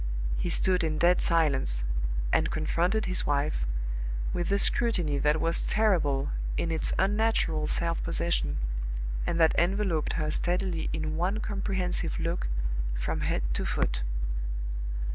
He stood in dead silence, and confronted his wife, with a scrutiny that was terrible in its unnatural self possession, and that enveloped her steadily in one comprehensive look from head to foot.